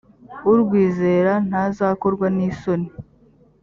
urwizera ntazakorwa n’isoni